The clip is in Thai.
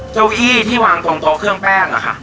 เก้าอี้ที่วางตรงโต๊ะเครื่องแป้งอะค่ะ